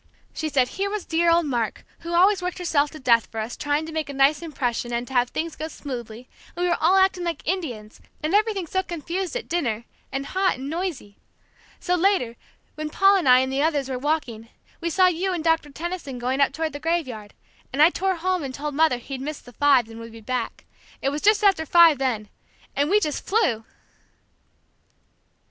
She said here was dear old Mark, who always worked herself to death for us, trying to make a nice impression, and to have things go smoothly, and we were all acting like Indians, and everything so confused at dinner, and hot and noisy! So, later, when Paul and I and the others were walking, we saw you and Doctor Tenison going up toward the graveyard, and I tore home and told Mother he'd missed the five and would be back; it was after five then, and we just flew!"